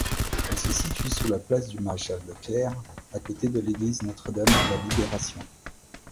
Elle se situe sous la place du Maréchal-Leclerc, à côté de l'église Notre-Dame-de-la-Libération.